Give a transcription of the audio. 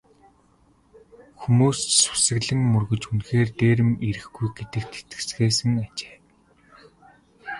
Хүмүүс ч сүсэглэн мөргөж үнэхээр дээрэм ирэхгүй гэдэгт итгэцгээсэн ажээ.